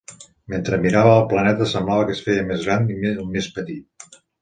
Mentre mirava, el planeta semblava que es feia més gran i més petit.